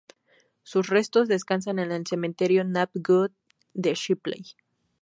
Sus restos descansan en el Cementerio Nab Wood de Shipley.